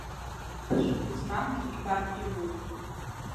Ԥышәа дук змамгьы ибартә иҟоуп.